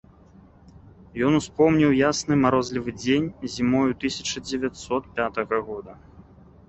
Ён успомніў ясны марозлівы дзень зімою тысяча дзевяцьсот пятага года.